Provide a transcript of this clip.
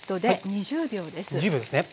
２０秒ですね。